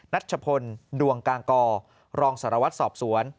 ัชพลดวงกางกอรองสารวัตรสอบสวน